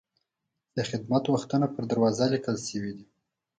د خدمت وختونه په دروازه لیکل شوي دي.